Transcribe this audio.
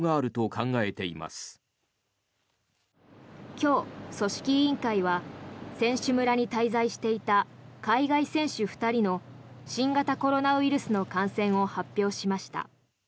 今日、組織委員会は選手村に滞在していた海外選手２人の新型コロナウイルスの感染を発表しました。